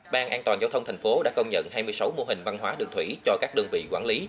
ban an toàn giao thông thành phố đã công nhận hai mươi sáu mô hình văn hóa đường thủy cho các đơn vị quản lý